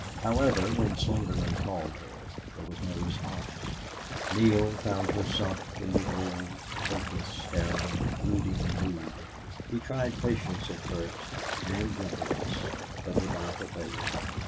However, when Slingerland called her there was no response. Neale found her sunk in the old, hopeless, staring, brooding mood. He tried patience at first, and gentleness, but without avail.